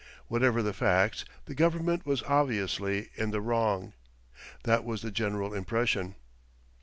Whatever the facts, the Government was obviously in the wrong. That was the general impression.